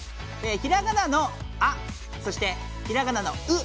ひらがなの「あ」そしてひらがなの「う」。